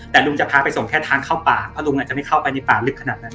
แต่ลุงจะพาไปส่งแค่ทางเข้าป่าเพราะลุงอาจจะไม่เข้าไปในป่าลึกขนาดนั้น